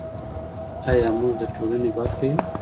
آيا موږ د ټولني برخه يو؟